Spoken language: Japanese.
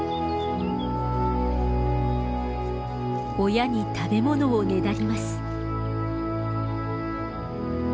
親に食べ物をねだります。